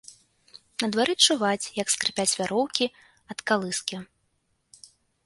На дварэ чуваць, як скрыпяць вяроўкі ад калыскі.